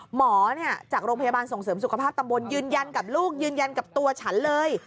หมอจากโรงพยาบาลส่งเสริมสุขภาพตำบลยืนยันกับลูกยืนยันกับตัวฉันเลย